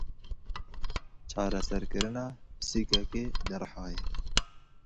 Çereserkirina pisîkekê li Rihayê.